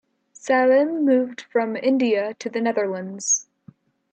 Salim moved from India to the Netherlands.